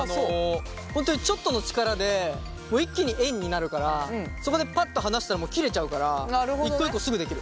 本当にちょっとの力で一気に円になるからそこでパッと離したら切れちゃうから一個一個すぐ出来る。